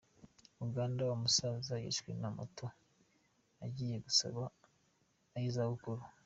Uganda umusaza yishwe na moto agiye gusaba ay’izabukuru